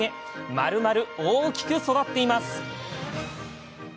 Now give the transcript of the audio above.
まるまる大きく育っています。